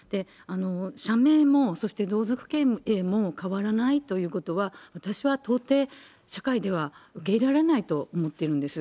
社名も、そして同族経営も変わらないということは、私は到底、社会では受け入れられないと思っているんです。